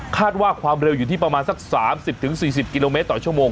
ว่าความเร็วอยู่ที่ประมาณสัก๓๐๔๐กิโลเมตรต่อชั่วโมง